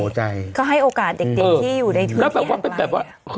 ใช่ก็ให้โอกาสเด็กที่อยู่ในทุนที่ห่างไกล